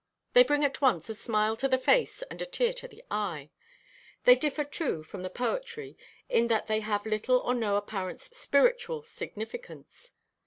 They bring at once a smile to the face and a tear to the eye. They differ, too, from the poetry, in that they have little or no apparent spiritual significance.